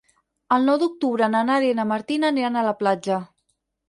El nou d'octubre na Nàdia i na Martina aniran a la platja.